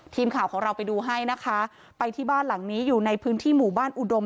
ทีมข่าวของเราไปดูให้นะคะไปที่บ้านหลังนี้อยู่ในพื้นที่หมู่บ้านอุดม